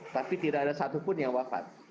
tapi tidak ada satupun yang wafat